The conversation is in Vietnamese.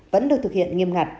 vẫn được thực hiện nghiêm ngặt